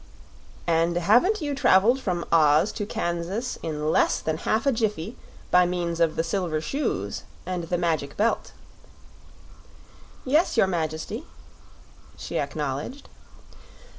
"And haven't you traveled from Oz to Kansas in less than half a jiffy, by means of the Silver Shoes and the Magic Belt?" "Yes, your Majesty," she acknowledged.